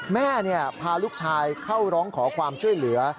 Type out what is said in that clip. แม่พาลูกชายเข้าร้องขอความช่วยเหลือ